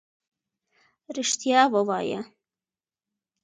رښتيا ووايه.